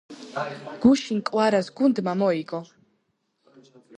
გუშინ კვარას გუნდმა მოიგო